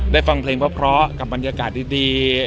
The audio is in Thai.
ฟังเพลงเพราะกับบรรยากาศดี